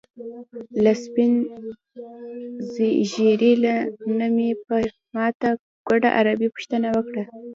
له سپین ږیري نه مې په ماته ګوډه عربي پوښتنه وکړه.